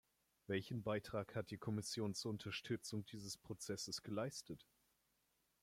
Welchen Beitrag hat die Kommission zur Unterstützung dieses Prozesses geleistet?